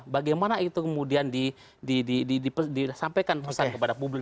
bagaimana itu kemudian di di di di di disampaikan pesan kepada publik